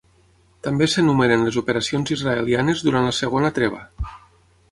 També s'enumeren les operacions israelianes durant la segona treva.